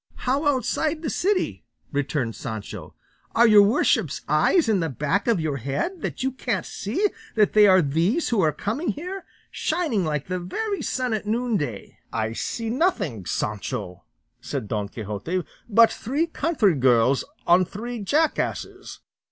"How outside the city?" returned Sancho. "Are your worship's eyes in the back of your head, that you can't see that they are these who are coming here, shining like the very sun at noonday?" "I see nothing, Sancho," said Don Quixote, "but three country girls on three jackasses."